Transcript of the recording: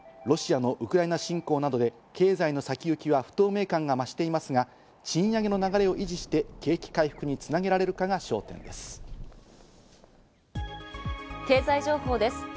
ロシアのウクライナ侵攻などで経済の先行きは不透明感が増していますが、賃上げの流れを維持して、景気回復につなげられるかが焦点です。